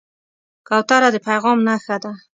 کوتره د پیغام نښه ده.